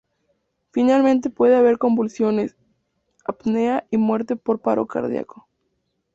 Finalmente puede haber convulsiones, apnea y muerte por paro cardíaco.